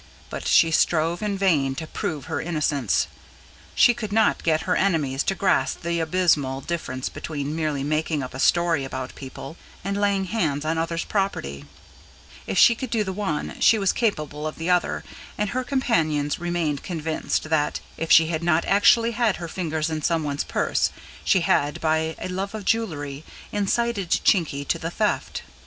But she strove in vain to prove her innocence: she could not get her enemies to grasp the abysmal difference between merely making up a story about people, and laying hands on others' property; if she could do the one, she was capable of the other; and her companions remained convinced that, if she had not actually had her fingers in some one's purse, she had, by a love of jewellery, incited Chinky to the theft.